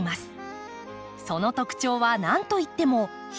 その特徴は何といっても品種の多さ。